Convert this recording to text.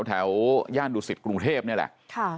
แถวย่านดุสิตกรุงเทพนี่แหละ